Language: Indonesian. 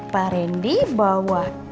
pak randy bawa